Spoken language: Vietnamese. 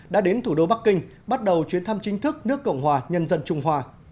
đã đến thủ đô bắc kinh bắt đầu chuyến thăm chính thức nước cộng hòa nhân dân trung hoa